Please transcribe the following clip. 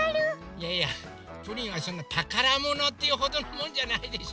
いやいやプリンはそんなたからものっていうほどのもんじゃないでしょ？